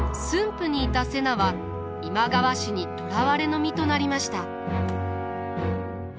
府にいた瀬名は今川氏に捕らわれの身となりました。